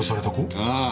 ああ。